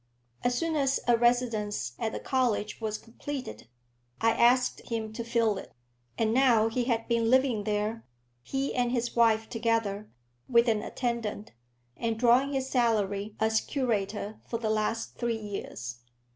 As soon as a residence at the college was completed, I asked him to fill it; and now he had been living there, he and his wife together, with an attendant, and drawing his salary as curator for the last three years.